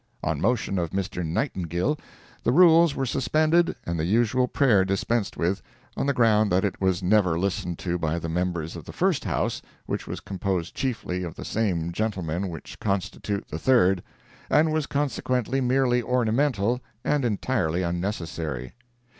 On motion of Mr. Nightingill, the rules were suspended and the usual prayer dispensed with, on the ground that it was never listened to by the members of the First House, which was composed chiefly of the same gentlemen which constitute the Third, and was consequently merely ornamental and entirely unnecessary.